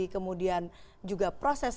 kemudian juga proses